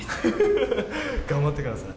頑張ってください。